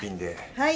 はい。